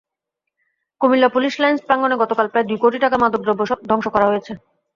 Comilla police lines প্রাঙ্গণে গতকাল প্রায় দুই কোটি টাকার মাদকদ্রব্য ধ্বংস করা হয়েছে।